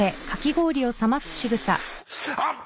あっ！